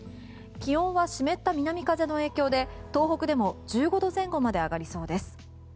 気温は湿った南風の影響で東北でも１５度前後まで上がりそうです。